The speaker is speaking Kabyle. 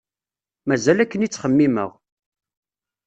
Mazal akken i ttxemmimeɣ.